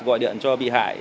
gọi điện cho bị hại